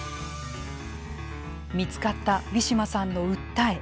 見つかったウィシュマさんの訴え。